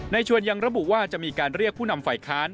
ชวนยังระบุว่าจะมีการเรียกผู้นำฝ่ายค้าน